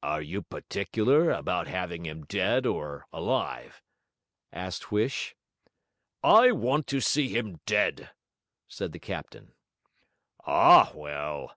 'Are you particular about having him dead or alive?' asked Huish. 'I want to see him dead,' said the captain. 'Ah, well!'